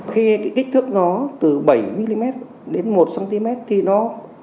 khi cái kích thước nó từ bảy mm đến một cm thì nó